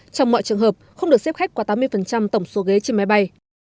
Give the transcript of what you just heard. trong mọi trường hợp không được xếp khách qua tám mươi tổng số ghế trên máy bay